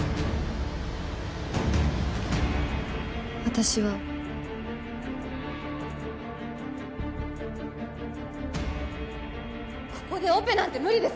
私はここでオペなんて無理です！